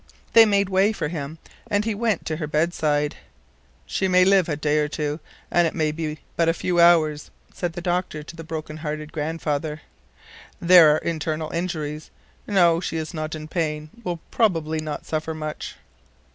They made way for him, and he went to her bedside. "She may live a day or two, and it may be but a few hours," said the doctor to the broken hearted grandfather. "There are internal injuries. No, she is not in pain— will probably not suffer much."